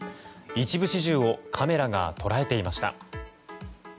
一部始終をカメラが捉えていました。